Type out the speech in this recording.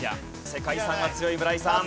世界遺産は強い村井さん。